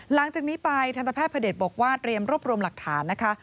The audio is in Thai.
หลังจากนี้ไปทันตแพทย์พระเด็จบอกว่าเตรียมรวบรวมหลักฐานนะคะ